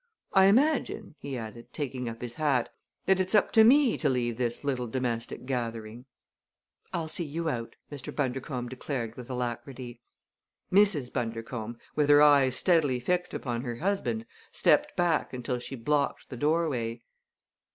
I imagine," he added, taking up his hat, "that it's up to me to leave this little domestic gathering." "I'll see you out," Mr. Bundercombe declared with alacrity. Mrs. Bundercombe, with her eyes steadily fixed upon her husband, stepped back until she blocked the doorway.